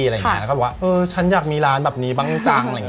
แล้วก็บอกว่าฉันอยากมีร้านแบบนี้บ้างจัง